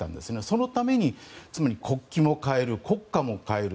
そのために、国旗も変える国歌も変える。